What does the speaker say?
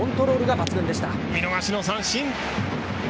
見逃しの三振。